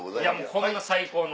こんな最高の。